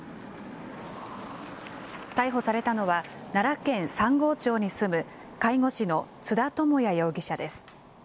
逮捕されたのは、奈良県三郷町に住む介護士の津田朋也容疑者です。